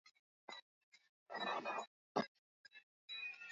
waweza kusaga wa viazi lishe